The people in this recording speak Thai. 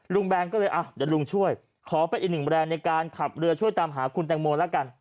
แบนก็เลยอ่ะเดี๋ยวลุงช่วยขอเป็นอีกหนึ่งแรงในการขับเรือช่วยตามหาคุณแตงโมแล้วกัน